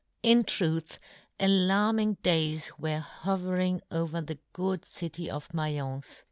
In truth, alarming days were ho vering over the good city of Maience.